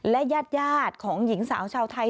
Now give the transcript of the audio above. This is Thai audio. และญาติของหญิงสาวชาวไทย